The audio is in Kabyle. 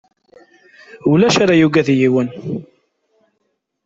Ulac ara yagad yiwen.